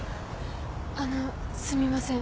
あのすみません。